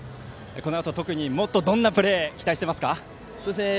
このあと特にもっとどんなプレーに期待していますか？